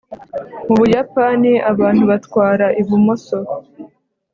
mu buyapani abantu batwara ibumoso